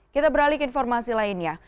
kita beralih ke informasi lainnya